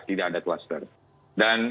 tidak ada cluster dan